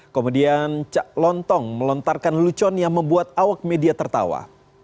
kemudian cak lontong melontarkan lucon yang membuat awak media tertawa